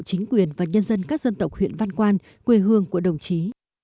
chính quyền và nhân dân các dân tộc huyện văn quan quê hương của đồng chí